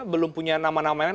belum punya nama namanya